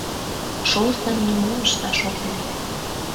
Шортын нимом ышташ ок лий.